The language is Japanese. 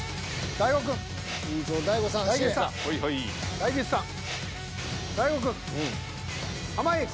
大悟さん。